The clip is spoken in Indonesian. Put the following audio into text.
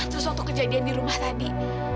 terus waktu kejadian di rumah tadi